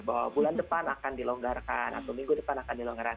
bahwa bulan depan akan dilonggarkan atau minggu depan akan dilonggarkan